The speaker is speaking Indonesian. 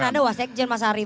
tapi kan ada wasekjen mas arief